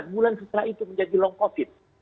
bulan setelah itu menjadi long covid